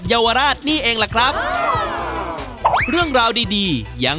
ถ้าสมมติว่าคุณมีความตั้งใจนะคะ